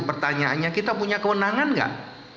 pertanyaannya kita punya kewenangan nggak